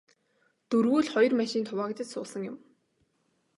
Дөрвүүл хоёр машинд хуваагдаж суусан юм.